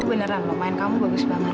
beneran loh pemain kamu bagus banget